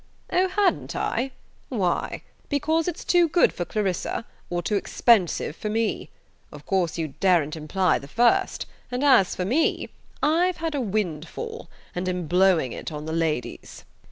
"Oh, hadn't I? Why? Because it's too good for Clarissa, or too expensive for me? Of course you daren't imply the first; and as for me I've had a windfall, and am blowing it in on the ladies."